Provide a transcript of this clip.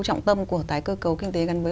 trọng tâm của tái cơ cấu kinh tế gắn với